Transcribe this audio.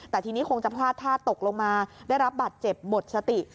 แต่ทีนี้คงจะพลาดท่าตกลงมาได้รับบัตรเจ็บหมดสติ